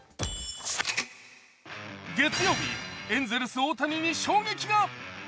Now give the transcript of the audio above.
月曜日、エンゼルス・大谷に衝撃が。